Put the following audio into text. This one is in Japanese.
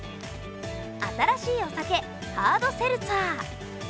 新しいお酒、ハードセルツァー。